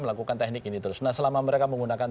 melakukan teknik ini terus nah selama mereka menggunakan